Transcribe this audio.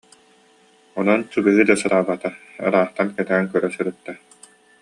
Онон чугаһыы да сатаабата, ыраахтан кэтээн көрө сырытта